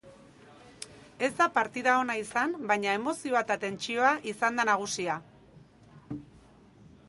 Ez da partida ona izan, baina emozioa eta tentsioa izan da nagusia.